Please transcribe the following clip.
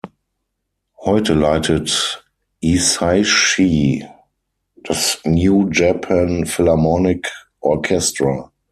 Heute leitet Hisaishi das New Japan Philharmonic Orchestra.